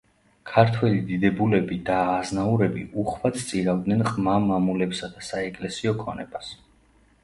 ქართველი დიდებულები და აზნაურები უხვად სწირავდნენ ყმა–მამულებსა და საეკლესიო ქონებას.